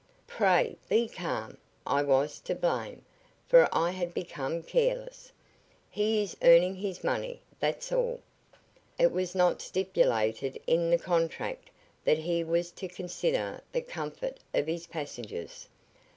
"Pray be calm! I was to blame, for I had become careless. He is earning his money, that's all. It was not stipulated in the contract that he was to consider the comfort of his passengers."